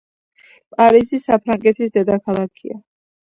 პარიზი საფრანგეთის დედაქალაქია.